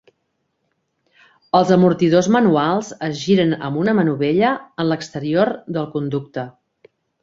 Els amortidors manuals es giren amb una manovella en l'exterior del conducte.